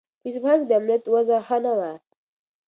په اصفهان کې د امنیت وضع ښه نه وه.